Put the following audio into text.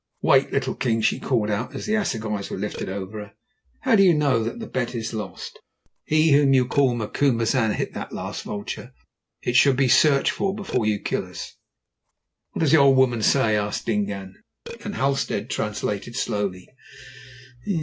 "Wait a little, King," she called out as the assegais were lifted over her. "How do you know that the bet is lost? He whom you call Macumazahn hit that last vulture. It should be searched for before you kill us." "What does the old woman say?" asked Dingaan, and Halstead translated slowly.